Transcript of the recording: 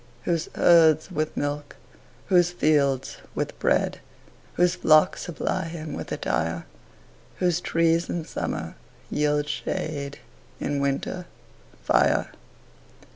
Whose herds with milk, whose fields with bread, Whose flocks supply him with attire; Whose trees in summer yield shade, In winter, fire.